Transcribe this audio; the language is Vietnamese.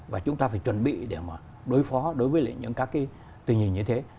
và chúng ta phải chuẩn bị để mà đối phó đối với những các cái tình hình như thế